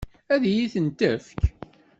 Ad iyi-ten-tefk?